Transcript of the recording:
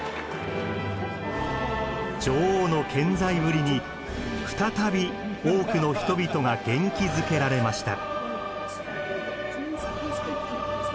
女王の健在ぶりに再び多くの人々が元気づけられました。